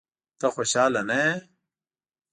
ته خوشاله نه یې؟